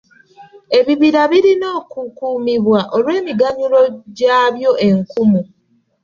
Ebibira birina okukuumibwa olw'emiganyulwo gyabyo enkumu.